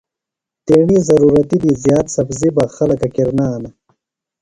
تیݨی ضرورتی دی زِیات سبزیۡ بہ خلکہ کِرنانہ۔